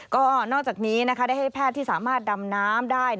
ก็นอกจากนี้ได้ให้แพทย์ที่สามารถดำน้ำได้